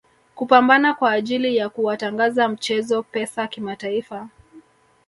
Kupambana kwa ajili ya kuwatangaza mchezo Pesa kimataifa